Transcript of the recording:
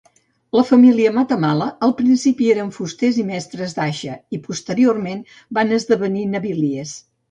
La família Matamala, al principi eren fusters i mestres d’aixa i posteriorment van esdevenir naviliers.